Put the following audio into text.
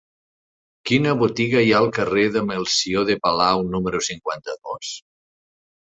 Quina botiga hi ha al carrer de Melcior de Palau número cinquanta-dos?